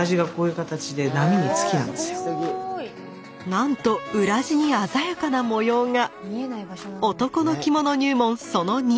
なんと裏地に鮮やかな模様が！